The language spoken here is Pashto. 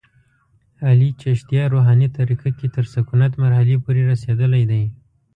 علي چشتیه روحاني طریقه کې تر سکونت مرحلې پورې رسېدلی دی.